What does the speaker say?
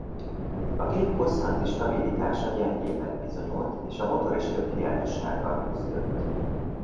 A gép hosszanti stabilitása gyengének bizonyult és a motor is több hiányossággal küzdött.